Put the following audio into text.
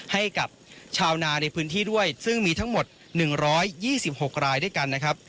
ให้กับชาวนาในพื้นที่ด้วยซึ่งมีทั้งหมด๑๒๖รายด้วยกันนะครับ